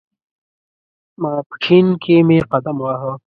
ماپښین کې مې قدم واهه.